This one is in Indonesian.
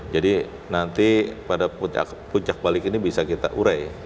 jadi nanti pada puncak balik ini bisa kita urai